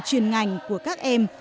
truyền ngành của các em